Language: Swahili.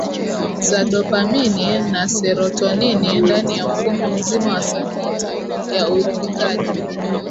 za dopamini na serotonini ndani ya mfumo mzima wa sakiti ya uridhikaji